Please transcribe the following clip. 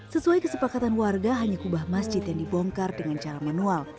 sesuai kesepakatan warga hanya kubah masjid yang dibongkar dengan cara manual